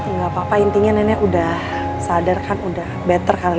nggak apa apa intinya nenek udah sadar kan udah better kali ya